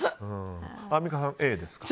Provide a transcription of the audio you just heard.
アンミカさん、Ａですか。